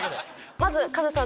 まずカズさん